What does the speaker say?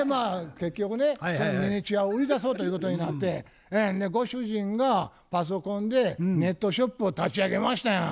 結局ねミニチュアを売り出そうということになってご主人がパソコンでネットショップを立ち上げましたやん。